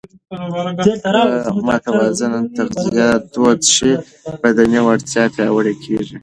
که متوازنه تغذیه دود شي، بدني وړتیا پیاوړې کېږي.